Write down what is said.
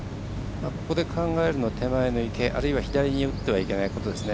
ここで考えるのは手前の池左に打ってはいけないところですね。